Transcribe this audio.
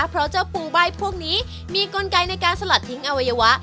เพราะเจ้าปูใบ้พวกนี้มีกลไกในการสลัดทิ้งอวัยวะ